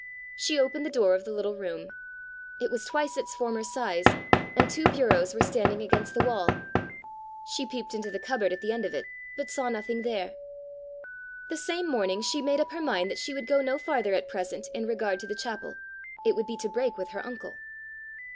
She opened the door of the little room: it was twice its former size, and two bureaus were standing against the wall! She peeped into the cupboard at the end of it, but saw nothing there. That same morning she made up her mind that she would go no farther at present in regard to the chapel: it would be to break with her uncle!